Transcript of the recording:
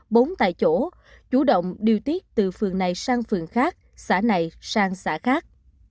bốn tại chỗ chủ động điều tiết từ phường này sang phường khác xã này sang xã khác